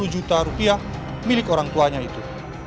dua puluh juta rupiah milik orang tuanya itu